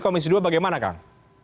komisi dua bagaimana kang